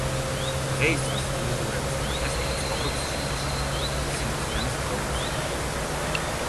დღეისთვის უიღურების უმეტესობა ცხოვრობს ჩინეთში, სინძიანის პროვინციაში.